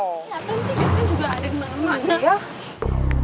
kelihatan sih biasanya juga ada di mana mana